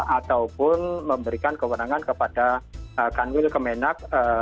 ataupun memberikan kewenangan kepada kanwil kemenak